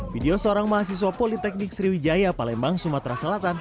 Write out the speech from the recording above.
video seorang mahasiswa politeknik sriwijaya palembang sumatera selatan